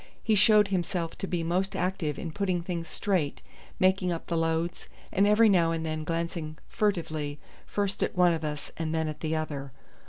He showed himself to be most active in putting things straight, making up the loads, and every now and then glancing furtively first at one of us and then at the other.